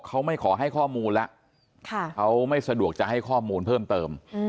เขาไม่ขอให้ข้อมูลแล้วเขาไม่สะดวกจะให้ข้อมูลเพิ่มเติม